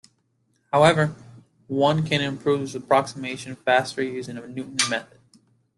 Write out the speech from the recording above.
However, one can improve this approximation faster using a Newton method.